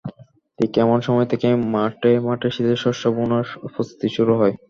ঠিক এমন সময় থেকেই মাঠে মাঠে শীতের শস্য বোনার প্রস্ত্ততি শুরু হয়।